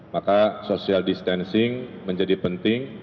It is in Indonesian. maka social distancing menjadi penting